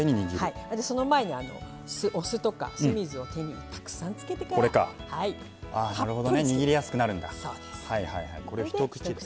その前に、お酢とか酢水を手にたくさんつけてからにぎりやすくなるんだ。